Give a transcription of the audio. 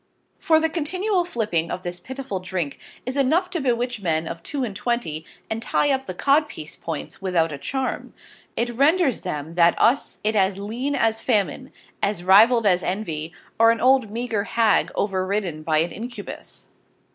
For the continual sipping of this pittiful drink is enough to bewitch Men of two and twenty, and tie up the Codpice point without a Charm. It renders them that use it as Lean as Famine, as Rivvel'd as Envy, or an old meager Hagg over ridden by an Incubus.